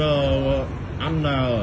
một lon ngọt nước ngọt